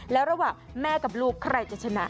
แล้วระหว่างแม่กับลูกใครจะชนะ